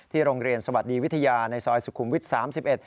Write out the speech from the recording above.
โรงเรียนสวัสดีวิทยาในซอยสุขุมวิท๓๑